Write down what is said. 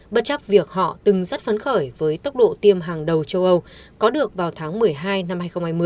bất chấp việc họ từng rất phấn khởi với tốc độ tiêm hàng đầu châu âu có được vào tháng một mươi hai năm hai nghìn hai mươi